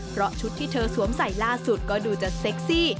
เพราะชุดที่เธอสวมใส่ล่าสุดก็ดูจะเซ็กซี่